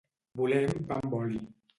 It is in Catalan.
volem pa amb oli